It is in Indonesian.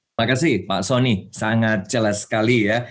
terima kasih pak soni sangat jelas sekali ya